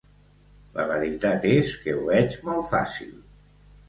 La veritat és que ho veig molt fàcil.